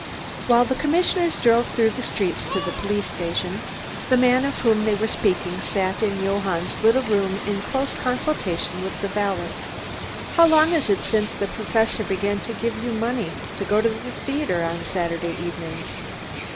While the commissioners drove through the streets to the police station the man of whom they were speaking sat in Johann's little room in close consultation with the valet. "How long is it since the Professor began to give you money to go to the theatre on Saturday evenings?"